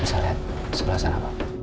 bisa lihat sebelah sana pak